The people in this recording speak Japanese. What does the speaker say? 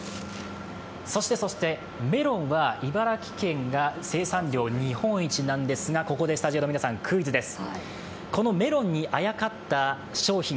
そしてそして、メロンは茨城県が生産量日本一なんですがここでスタジオの皆さんにクイズです。